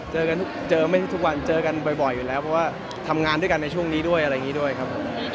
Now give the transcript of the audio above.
เจอไม่ทุกวันเจอกันบ่อยอยู่แล้วเพราะว่าทำงานด้วยกันในช่วงนี้ด้วยอะไรอย่างนี้ด้วยครับผม